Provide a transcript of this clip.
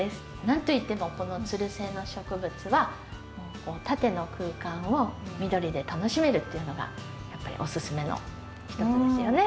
何といってもこのつる性の植物は縦の空間を緑で楽しめるっていうのがやっぱりおすすめの一つですよね。